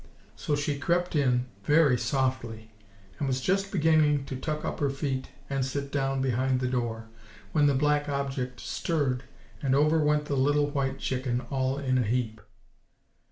So she crept in very softly, and was just beginning to tuck up her feet and sit down behind the door, when the black object stirred, and over went the little white chicken all in a heap."